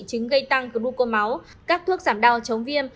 chứng gây tăng gruco máu các thuốc giảm đau chống viêm